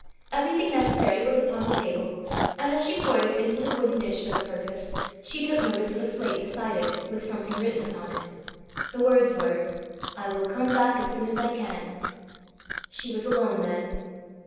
Everything necessary was upon the table, and as she poured it into the wooden dish for the purpose, she took notice of a slate beside it, with something written upon it. The words were, "I will cum back as soon as I cann." She was alone, then!